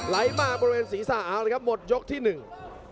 ไลฟ์มาบริเวณศีรษะครับหมดยกที่หนึ่ง